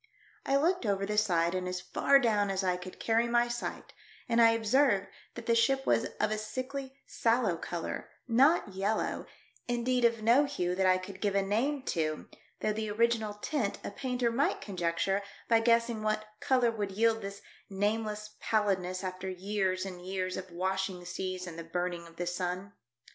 1 looked over 154 THE DEATH SHIP. the side and as far down as I could carry my sight, and I observed that the ship was of a sickly sallow colour, not yellow — indeed, of no hue that I could give a name to, though the original tint a painter might conjecture by guessing what colour would yield this nameless pallidness after years and years of washing seas and the burning of the sun.